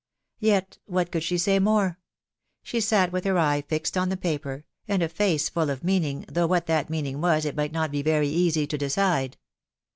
Yet what could she say more ?.... She sat with her eye fixed on the paper, and a face full of meaning, though what that meaning was it might not be very easy to> decide.